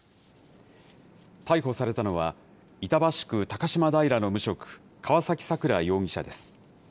逮捕されたのは、板橋区高島平の無職、川崎さくら容疑者です。